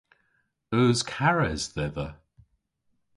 Eus kares dhedha?